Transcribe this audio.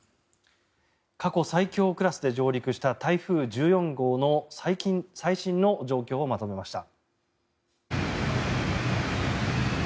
過去最強クラスで上陸した台風１４号の最新の状況をまとめました。